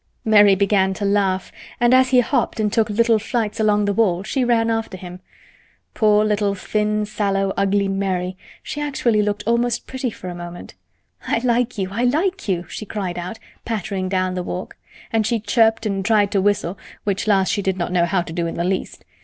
Mary began to laugh, and as he hopped and took little flights along the wall she ran after him. Poor little thin, sallow, ugly Mary—she actually looked almost pretty for a moment. "I like you! I like you!" she cried out, pattering down the walk; and she chirped and tried to whistle, which last she did not know how to do in the least.